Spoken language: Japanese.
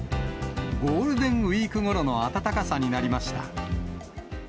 ゴールデンウィークごろの暖かさになりました。